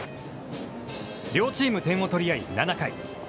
両チーム点を取り合い、７回。